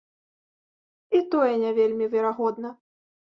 І тое не вельмі верагодна.